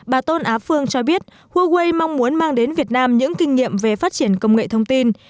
bà tôn á phương cho biết huawei mong muốn mang đến việt nam những kinh nghiệm về phát triển công nghệ thông tin